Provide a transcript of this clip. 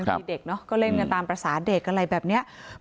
มีเด็กเนอะก็เล่นกันตามภาษาเด็กอะไรแบบนี้